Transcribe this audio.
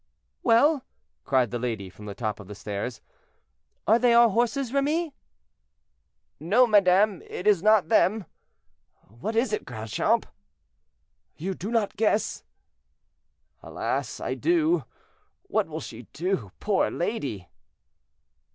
"Well," cried the lady from the top of the stairs, "are they our horses, Remy?" "No, madame, it is not them. What is it, Grandchamp?" "You do not guess?" "Alas! I do; what will she do, poor lady."